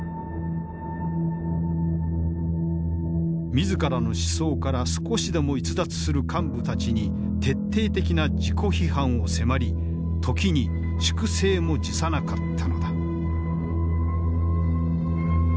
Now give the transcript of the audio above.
自らの思想から少しでも逸脱する幹部たちに徹底的な自己批判を迫り時に粛清も辞さなかったのだ。